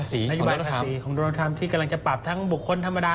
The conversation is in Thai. นโตนทรัมป์ที่กำลังจะปรับทั้งบุคคลธรรมดา